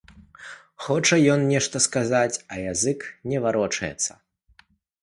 Хоча ён нешта сказаць, а язык не варочаецца.